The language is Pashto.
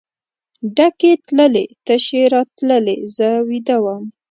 ډکې تللې تشې راتللې زه ویده وم.